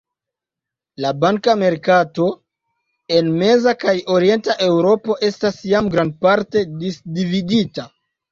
La banka merkato en meza kaj orienta Eŭropo estas jam grandparte disdividita.